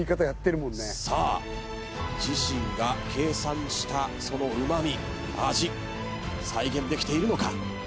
さあ自身が計算したそのうま味・味再現できているのか？